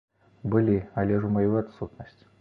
Былі, але ж у маю адсутнасць.